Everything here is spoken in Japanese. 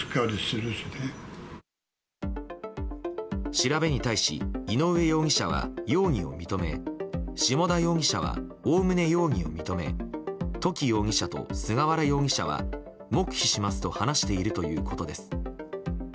調べに対し井上容疑者は容疑を認め下田容疑者はおおむね容疑を認め土岐容疑者と菅原容疑者は黙秘しますと話しているということです。